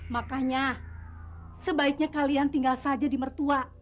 makanya sebaiknya kalian tinggal saja di mertua